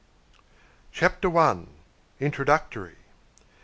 CHAPTER I. INTRODUCTORY.